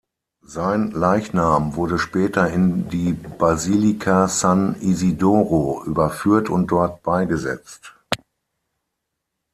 Sein Leichnam wurde später in die Basilika San Isidoro überführt und dort beigesetzt.